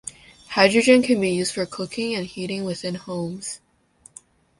Hydrogen can be used for cooking and heating within homes.